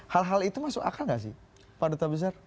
hal hal itu masuk akal gak sih pak duta besar